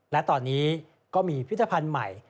และตอนนี้ก็มีพิธภัณฑ์ใหม่